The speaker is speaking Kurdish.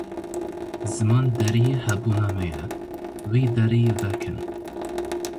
Ziman deriyê hebûna me ye, wî deriyî vekin.